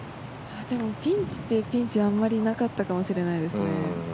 でもピンチっていうピンチはなかったかもしれないですね。